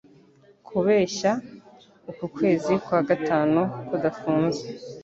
Kubeshya uku kwezi kwa gatanu kudafunze